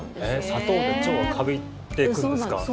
砂糖で腸がかびていくんですか？